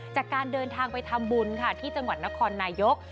จากการเดินทางไปทำบุญค่ะที่จังหวัดนครนายก